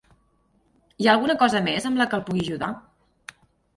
Hi ha alguna cosa més amb la que el pugui ajudar?